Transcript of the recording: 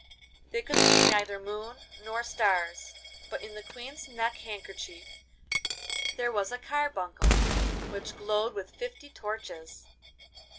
They could see neither moon nor stars, but in the Queen's neck handkerchief there was a carbuncle which glowed like fifty torches.